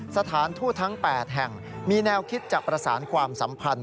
สถานทูตทั้ง๘แห่งมีแนวคิดจะประสานความสัมพันธ์